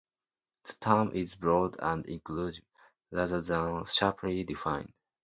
The term is broad and inclusive, rather than sharply defined.